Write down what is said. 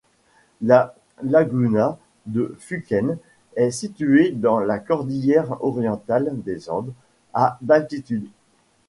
La laguna de Fúquene est située dans la cordillère Orientale des Andes, à d'altitude.